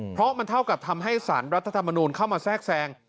เพราะมันเท่ากับทำให้สารรัฐธรรมนูลเข้ามาแทรกแทรง